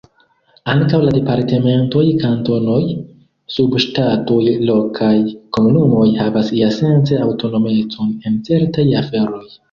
Ankaŭ la departementoj, kantonoj, subŝtatoj, lokaj komunumoj havas iasence aŭtonomecon en certaj aferoj.